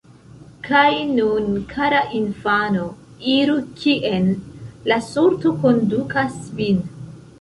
Kaj nun, kara infano, iru kien la sorto kondukas vin.